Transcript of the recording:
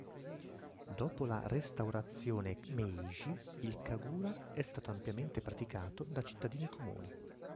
Dopo la restaurazione Meiji, il kagura è stato ampiamente praticato da cittadini comuni.